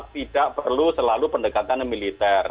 tidak perlu selalu pendekatan militer